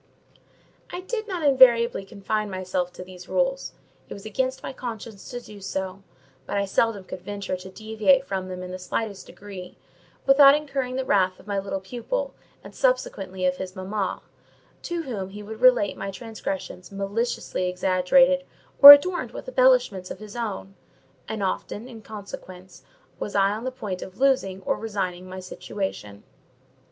I did not invariably confine myself to these rules: it was against my conscience to do so; but I seldom could venture to deviate from them in the slightest degree, without incurring the wrath of my little pupil, and subsequently of his mamma; to whom he would relate my transgressions maliciously exaggerated, or adorned with embellishments of his own; and often, in consequence, was I on the point of losing or resigning my situation.